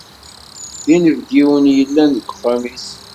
D inebgiwen i yellan deg uxxam-is.